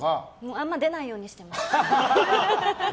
あんまり出ないようにしてます。